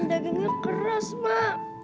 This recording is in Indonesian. dagingnya keras mak